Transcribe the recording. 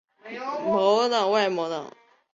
而比较主义者则强调神话之间的相似之处。